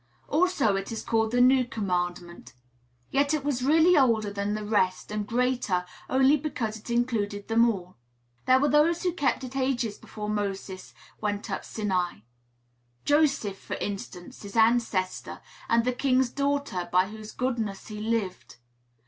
Also it was called the "new commandment." Yet it was really older than the rest, and greater only because it included them all. There were those who kept it ages before Moses went up Sinai: Joseph, for instance, his ancestor; and the king's daughter, by whose goodness he lived.